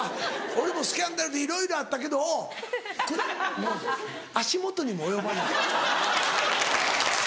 俺もスキャンダルでいろいろあったけどもう足元にも及ばない。